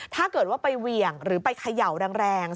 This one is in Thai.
ถ้าเกิดว่าไปเหวี่ยงหรือไปเขย่าแรง